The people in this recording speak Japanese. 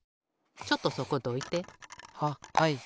ちょっとそこどいて。ははい。